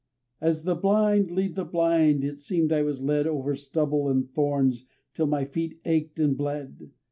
As the blind lead the blind it seemed I was lead Over stubble and thorns till my feet ached and bled.